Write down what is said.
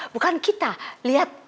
bukan kita liat